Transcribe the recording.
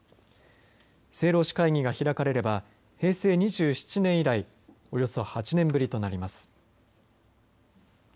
政労使会議が開かれれば平成２７年以来およそ８年ぶりとなります。